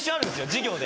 授業で。